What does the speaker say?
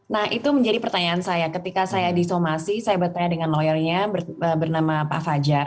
nah itu menjadi pertanyaan saya ketika saya disomasi saya bertanya dengan lawyernya bernama pak fajar